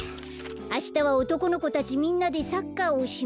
あしたは「おとこの子たちみんなでサッカーをしました」。